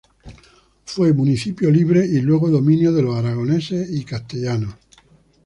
Fue municipio libre y luego dominio de los aragoneses y castellanos.